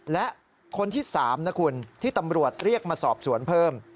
และคนที่๓นะคุณที่ตำรวจเรียกมาสอบสวนเพิ่ม